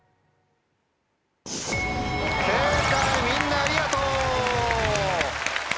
正解みんなありがとう。